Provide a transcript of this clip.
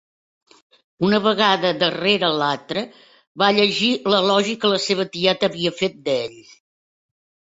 Una vegada darrere l'altra, va llegir l'elogi que la seva tieta havia fet d'ell.